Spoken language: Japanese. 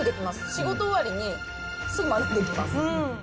仕事終わりにすぐマネできます。